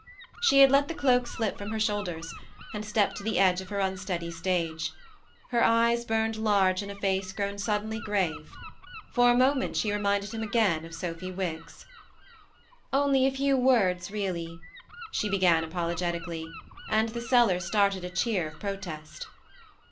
She had let the cloak slip from her shoulders, and stepped to the edge of her unsteady stage. Her eyes burned large in a face grown suddenly grave. ... For a moment she reminded him again of Sophy Wicks. "Only a few words, really," she began apologetically ; and the cellar started a cheer of protest.